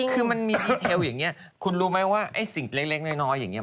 คือมันมีที่เทลอย่างนี้คุณรู้ไหมว่าไอ้สิ่งเล็กน้อยอย่างนี้